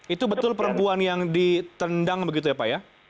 itu betul perempuan yang ditendang begitu ya pak ya